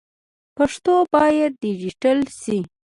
پښتو باید ډيجيټل سي.